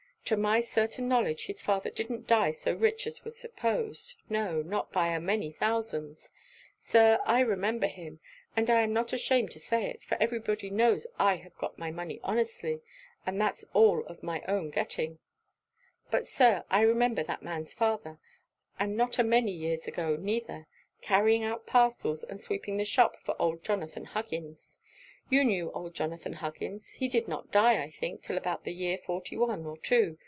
To my certain knowledge his father didn't die so rich as was supposed no not by a many thousands. Sir, I remember him (and I am not ashamed to say it, for every body knows I have got my money honestly, and that it's all of my own getting) but, Sir, I remember that man's father, and not a many years ago neither, carrying out parcels, and sweeping the shop for old Jonathan Huggins. You knew old Jonathan Huggins: he did not die, I think, 'till about the year forty one or two.